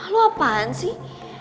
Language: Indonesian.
lu apaan sih